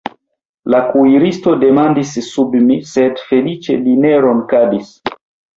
La kuiristo dormadis sub mi, sed feliĉe li ne ronkadis.